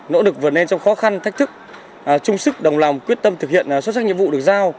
nỗ lực vượt lên trong khó khăn thách thức trung sức đồng lòng quyết tâm thực hiện xuất sắc nhiệm vụ được giao